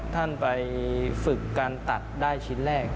ท่านไปฝึกการตัดได้ชิ้นแรก